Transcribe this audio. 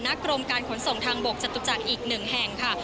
กรมการขนส่งทางบกจตุจักรอีก๑แห่งค่ะ